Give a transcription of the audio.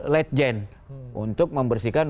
late gen untuk membersihkan